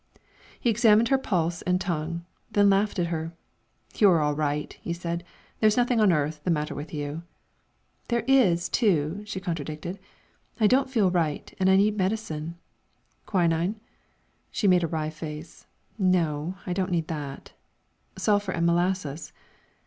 He examined her pulse and tongue, then laughed at her. "You're all right," he said; "there's nothing on earth the matter with you." "There is, too," she contradicted. "I don't feel right and I need medicine." "Quinine?" She made a wry face. "No, I don't need that." "Sulphur and molasses?"